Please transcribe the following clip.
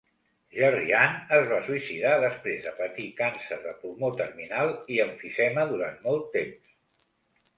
Jerry Ant es va suïcidar després de patir càncer de pulmó terminal i emfisema durant molt temps.